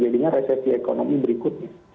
jadinya resesi ekonomi berikutnya